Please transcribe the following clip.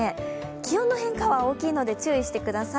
気温の変化は大きいので注意してください。